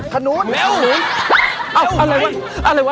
ขันนู้นเดินไปอ้าวอะไรวะ